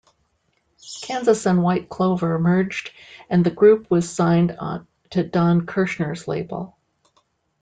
Kansas and White Clover merged and the group was signed to Don Kirshner's label.